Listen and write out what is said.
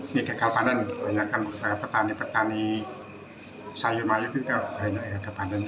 ini gagal panen banyakkan petani petani sayur mayur juga banyak yang gagal panen